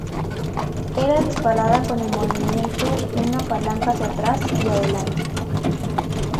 Era disparada con el movimiento una palanca hacia atrás y adelante.